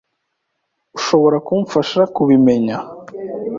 Ushobora kumfasha kubimenya?